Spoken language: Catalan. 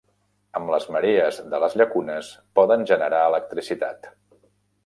Amb les marees de les llacunes poden generar electricitat.